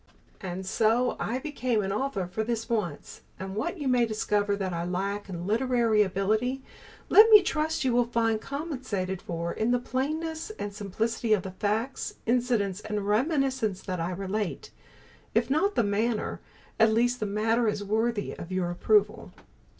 And so I became an author for this once, and what you may discover that I lack in literary ability, let me trust you will find compensated for in the plainness and simplicity of the facts, incidents and reminiscences that I relate. If not the manner, at least the matter is worthy of your approval.